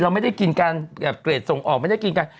เราไม่ได้กินการเกรดส่งออก